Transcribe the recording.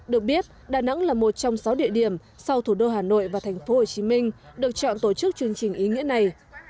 được biết đà nẵng là một trong sáu địa điểm sau thủ đô hà nội và tp hcm được chọn tổ chức chương trình ý nghĩa này